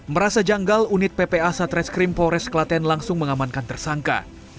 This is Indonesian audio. merasa janggal unit ppa satreskrim polres klaten langsung mengamankan tersangka